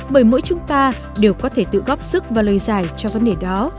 bởi mỗi chúng ta đều có thể tự góp sức và lời giải cho vấn đề đó